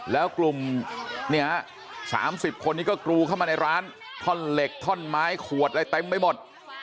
แล้วกลุ่มเนี่ย๓๐คนนี้ก็กรูเข้ามาในร้านท่อนเหล็กท่อนไม้ขวดอะไรเต็มไปหมด